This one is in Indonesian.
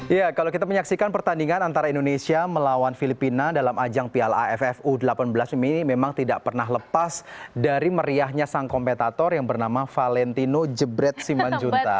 ya kalau kita menyaksikan pertandingan antara indonesia melawan filipina dalam ajang piala aff u delapan belas ini memang tidak pernah lepas dari meriahnya sang kompetator yang bernama valentino jebret simanjunta